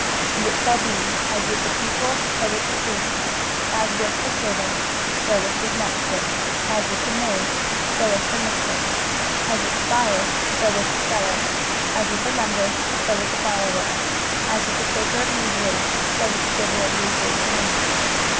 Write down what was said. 23:024:002 And it shall be, as with the people, so with the priest; as with the servant, so with his master; as with the maid, so with her mistress; as with the buyer, so with the seller; as with the lender, so with the borrower; as with the taker of usury, so with the giver of usury to him.